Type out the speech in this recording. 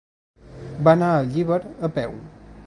Va anar a Llíber a peu.